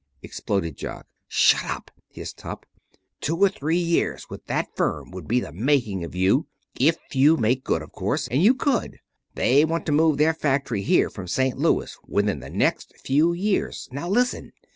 exploded Jock. "Shut up!" hissed Hupp. "Two or three years with that firm would be the making of you if you made good, of course. And you could. They want to move their factory here from St. Louis within the next few years. Now listen.